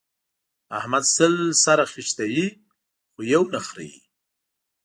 احمد سل سره خيشتوي؛ خو يو نه خرېي.